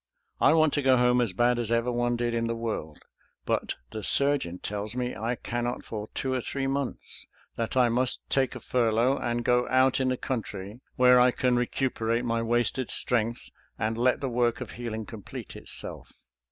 I want to go home as bad' as ever one did in the world, but the surgeon tells me I cannot for two or three months — that I must take a fur lough, and go out in the country where I can HOT SKIRMISH— WOUNDED 269 recuperate my wasted strength and let the work of healing complete itself.